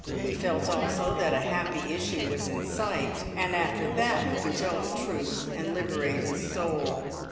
He felt also that a happy issue was in sight, and after that he could tell the truth and liberate his soul.